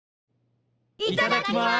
いただきます！